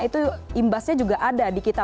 itu imbasnya juga ada di kita